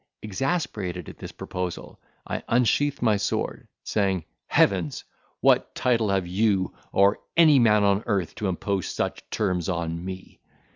Exasperated at this proposal, I unsheathed my sword, saying, "Heavens! what title have you, or any man on earth, to impose such terms on me?"